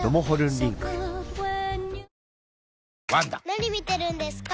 ・何見てるんですか？